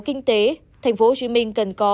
kinh tế tp hcm cần có